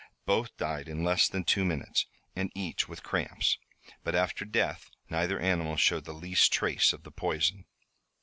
Both died in less than two minutes, and each with cramps. But after death neither animal showed the least trace of the poison."